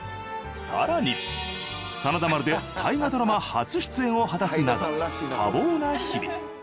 更に『真田丸』で大河ドラマ初出演を果たすなど多忙な日々。